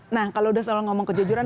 nah kalau sudah selalu ngomong kejujuran